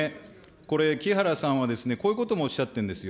これ木原さんはですね、こういうこともおっしゃってるんですよ。